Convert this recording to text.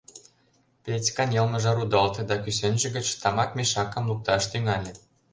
— Петькан йылмыже рудалте да кӱсенже гыч тамак мешакым лукташ тӱҥале.